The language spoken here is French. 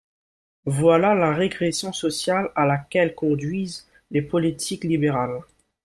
Voilà la régression sociale à laquelle conduisent les politiques libérales